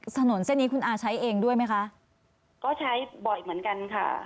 ถนนเส้นนี้คุณอาใช้เองด้วยไหมคะก็ใช้บ่อยเหมือนกันค่ะ